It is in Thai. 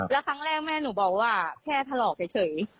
แล้วครั้งแรกแม่หนูบอกว่าแค่ถลอกเฉย